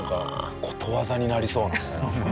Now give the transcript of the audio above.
ことわざになりそうだねなんか。